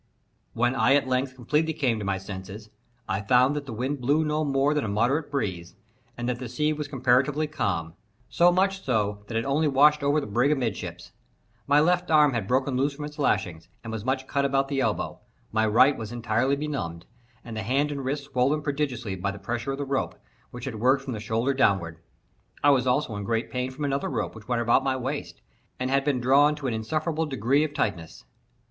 When I at length completely came to my senses, I found that the wind blew no more than a moderate breeze, and that the sea was comparatively calm; so much so that it only washed over the brig amidships. My left arm had broken loose from its lashings, and was much cut about the elbow; my right was entirely benumbed, and the hand and wrist swollen prodigiously by the pressure of the rope, which had worked from the shoulder downward. I was also in great pain from another rope which went about my waist, and had been drawn to an insufferable degree of tightness.